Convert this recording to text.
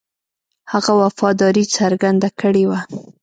هغه وفاداري څرګنده کړې وه.